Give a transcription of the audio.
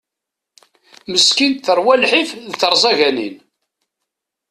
Meskint terwa lḥif d terẓaganin.